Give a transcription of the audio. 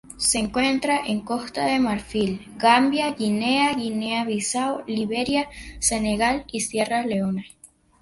Se encuentra en Costa de Marfil, Gambia, Guinea, Guinea-Bissau, Liberia, Senegal y Sierra Leona.